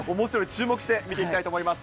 注目して見てみたいと思います。